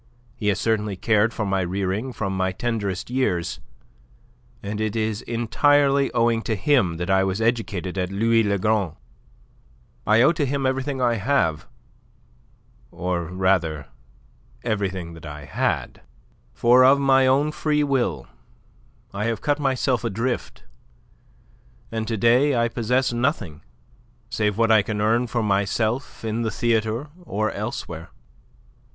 He has certainly cared for my rearing from my tenderest years, and it is entirely owing to him that I was educated at Louis le Grand. I owe to him everything that I have or, rather, everything that I had; for of my own free will I have cut myself adrift, and to day I possess nothing save what I can earn for myself in the theatre or elsewhere."